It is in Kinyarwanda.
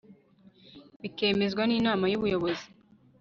bikemezwa n inama y ubuyobozi